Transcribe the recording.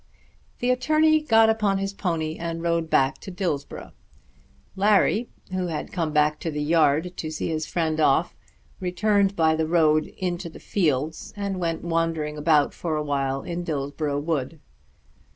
The attorney got upon his pony and rode back to Dillsborough. Larry who had come back to the yard to see his friend off, returned by the road into the fields, and went wandering about for a while in Dillsborough Wood.